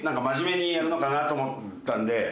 真面目にやるのかなと思ったんで。